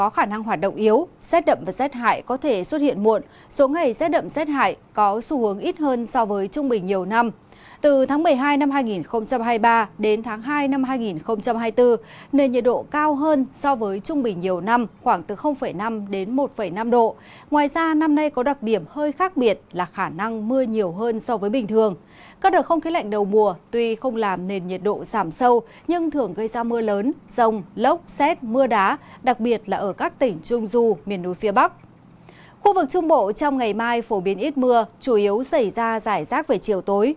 khu vực trung bộ trong ngày mai phổ biến ít mưa chủ yếu xảy ra giải rác về chiều tối